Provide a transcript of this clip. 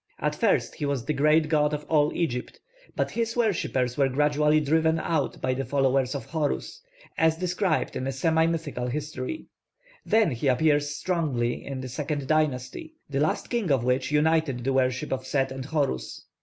At first he was the great god of all Egypt; but his worshippers were gradually driven out by the followers of Horus, as described in a semi mythical history. Then he appears strongly in the second dynasty, the last king of which united the worship of Set and Horus.